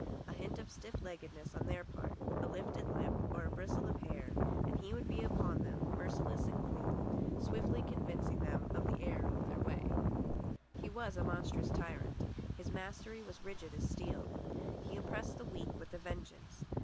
A hint of stiff leggedness on their part, a lifted lip or a bristle of hair, and he would be upon them, merciless and cruel, swiftly convincing them of the error of their way. He was a monstrous tyrant. His mastery was rigid as steel. He oppressed the weak with a vengeance.